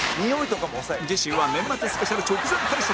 次週は年末スペシャル直前対策